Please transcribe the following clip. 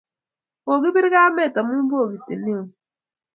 kokibir kamet amu bokitee neoo